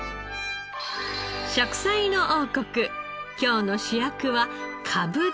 『食彩の王国』今日の主役はかぶです。